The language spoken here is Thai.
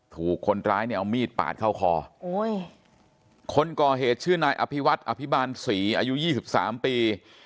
ถูกคนร้ายเนี่ยเอามีดปาดเข้าคอคนก่อเหตุชื่อนายอภิวัฒน์อภิบาลศรีอายุ๒๓ปี